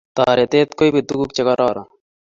Toretet kuibu tuguk Che kororon